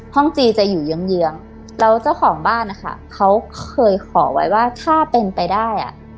จีจะอยู่เยื้องแล้วเจ้าของบ้านนะคะเขาเคยขอไว้ว่าถ้าเป็นไปได้อ่ะ